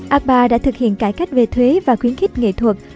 akbar đã thực hiện cải cách về thuế và khuyến khích nghệ thuật